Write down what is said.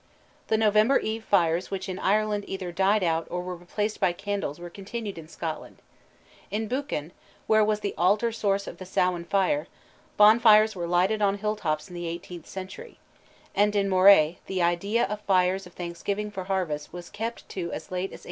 The November Eve fires which in Ireland either died out or were replaced by candles were continued in Scotland. In Buchan, where was the altar source of the Samhain fire, bonfires were lighted on hilltops in the eighteenth century; and in Moray the idea of fires of thanksgiving for harvest was kept to as late as 1866.